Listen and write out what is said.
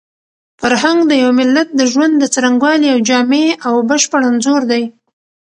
فرهنګ د یو ملت د ژوند د څرنګوالي یو جامع او بشپړ انځور دی.